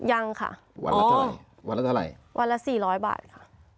ยังค่ะวันละเท่าไหร่วันละเท่าไหร่วันละสี่ร้อยบาทค่ะ